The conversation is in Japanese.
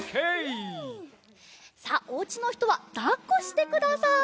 さあおうちのひとはだっこしてください。